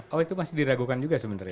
oh itu masih diragukan juga sebenarnya